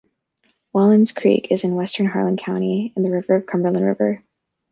Wallins Creek is in western Harlan County, in the valley of the Cumberland River.